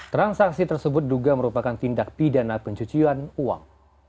transaksi tersebut duga merupakan tindak pidana pencucian uang